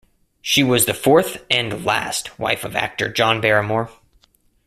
She was the fourth, and last, wife of actor John Barrymore.